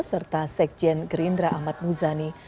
serta sekjen gerindra ahmad muzani